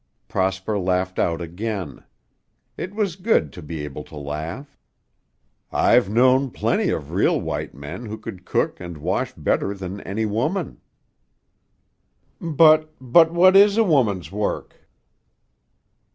Prosper laughed out again. It was good to be able to laugh. "I've known plenty of real white men who could cook and wash better than any woman." "But but what is a woman's work?"